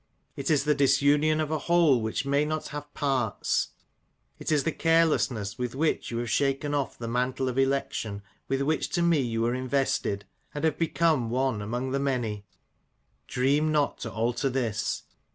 It is the disunion of an whole which may not have parts ; it is the carelessness with which you have shaken off the mantle of election with which to me you were invested, and have become one among the many. Dream not to alter this.